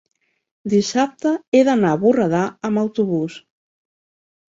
dissabte he d'anar a Borredà amb autobús.